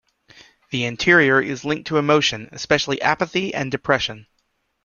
The anterior is linked to emotion, especially apathy and depression.